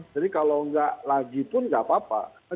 jadi kalau enggak lagi pun enggak apa apa